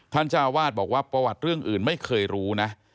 เจ้าวาดบอกว่าประวัติเรื่องอื่นไม่เคยรู้นะ